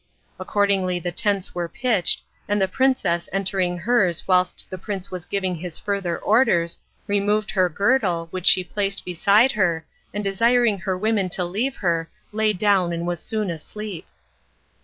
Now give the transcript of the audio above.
Accordingly the tents were pitched, and the princess entering hers whilst the prince was giving his further orders, removed her girdle, which she placed beside her, and desiring her women to leave her, lay down and was soon asleep.